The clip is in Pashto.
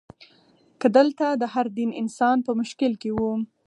که دلته د هر دین انسان په مشکل کې وي.